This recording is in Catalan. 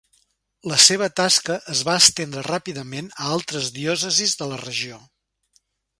La seva tasca es va estendre ràpidament a altres diòcesis de la regió.